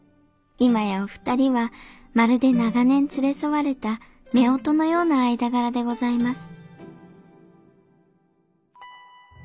今やお二人はまるで長年連れ添われた夫婦のような間柄でございます